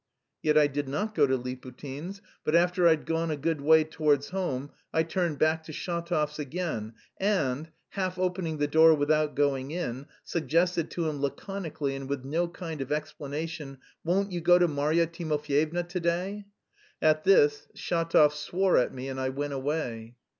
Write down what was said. Yet I did not go to Liputin's, but after I'd gone a good way towards home I turned back to Shatov's again, and, half opening the door without going in, suggested to him laconically and with no kind of explanation, "Won't you go to Marya Timofyevna to day?" At this Shatov swore at me, and I went away.